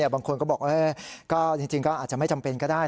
บางคนก็บอกจริงก็อาจจะไม่จำเป็นก็ได้